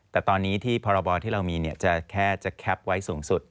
แต่ตอนนี้ที่พรบที่เรามีจะแค่จะแคปไว้สูงสุด